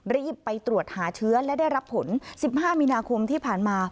รีบไปตรวจหาเชื้อและได้รับผล๑๕มีนาคมที่ผ่านมา